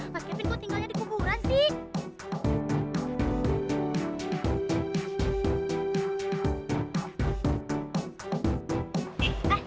mas kevin gue tinggalnya di kuburan sih